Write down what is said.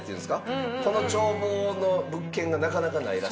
この眺望の物件がなかなかないらしいです。